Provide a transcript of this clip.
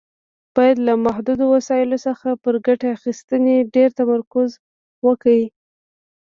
باید له محدودو وسایلو څخه پر ګټې اخیستنې ډېر تمرکز وکړي.